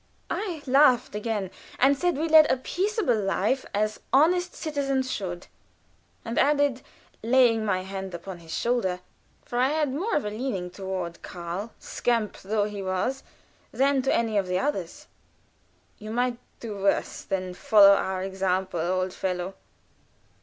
I laughed again, and said we led a peaceable life, as honest citizens should; and added, laying my hand upon his shoulder, for I had more of a leaning toward Karl, scamp though he was, than to any of the others, "You might do worse than follow our example, old fellow."